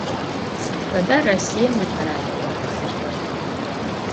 Sıd feda Rossiêm yikheralığuabzer?